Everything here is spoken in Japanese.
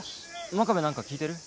真壁何か聞いてる？